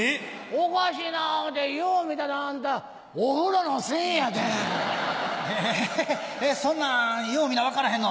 おかしいな思うてよう見たらあんたお風呂の栓やて。そんなんよう見な分からへんの？